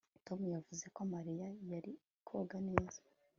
Tom yavuze ko Mariya yari koga neza